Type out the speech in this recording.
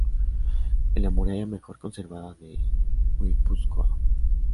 En la muralla mejor conservada de Guipúzcoa.